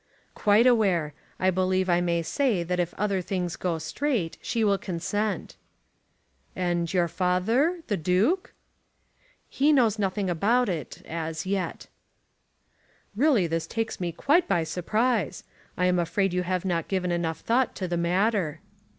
"Quite aware. I believe I may say that if other things go straight, she will consent." "And your father the Duke?" "He knows nothing about it, as yet." "Really this takes me quite by surprise. I am afraid you have not given enough thought to the matter."